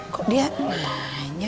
kok dia nanya